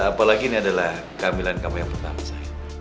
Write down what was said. apalagi ini adalah kehamilan kami yang pertama